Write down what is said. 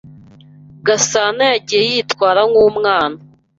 Gasanayagiye yitwara nkumwana.